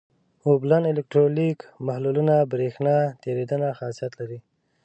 اوبلن الکترولیت محلولونه برېښنا تیریدنه خاصیت لري.